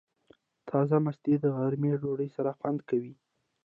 تازه مستې د غرمې ډوډۍ سره خوند کوي.